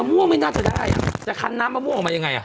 ม่วงไม่น่าจะได้แต่คันน้ำมะม่วงออกมายังไงอ่ะ